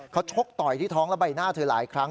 เขาชกต่อยที่ท้องและใบหน้าเธอหลายครั้ง